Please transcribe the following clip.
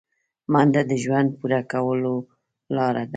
منډه د ژوند پوره کولو لاره ده